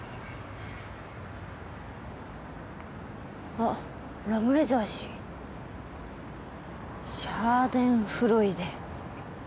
あっラムレザー氏「シャーデンフロイデ」？